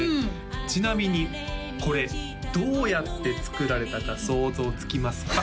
ちなみにこれどうやってつくられたか想像つきますか？